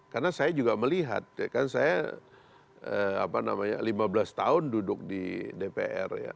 karena saya juga melihat kan saya lima belas tahun duduk di dpr ya